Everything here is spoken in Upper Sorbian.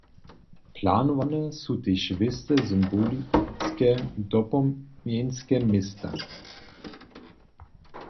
Planowane su tež wěste symboliske dopomnjenske městna.